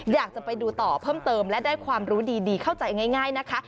อยากจะไปดูต่อเพิ่มเติมและได้ความรู้ดีเข้าใจง่ายนะคะ